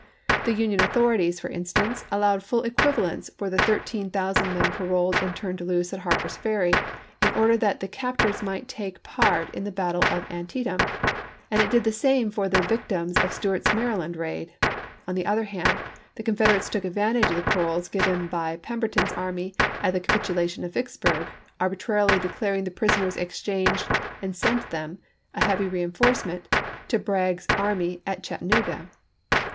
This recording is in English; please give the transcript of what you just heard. The Union authorities, for instance, p?®' allowed full equivalents for the thirteen thousand men paroled and turned loose at Harper's Ferry, in order that the captors might take part in the battle of Antietam ; and it did the same for the vic tims of Stuart's Maryland raid. On the other hand, n»a., J 7 p. 324. the Confederates took advantage of the paroles given aB™g^» by Pemberton's army at the capitulation of Vicks T2S) burg, arbitrarily declared the prisoners exchanged, Haiieek. and sent them, a heavy reenforcement, to Bragg's aeSefit. army at Chattanooga.